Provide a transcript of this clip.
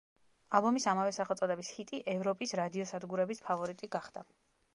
ალბომის ამავე სახელწოდების ჰიტი ევროპის რადიო სადგურების ფავორიტი გახდა.